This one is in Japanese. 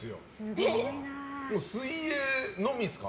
水泳のみですか？